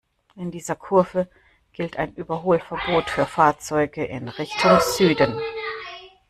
In dieser Kurve gilt ein Überholverbot für Fahrzeuge in Richtung Süden.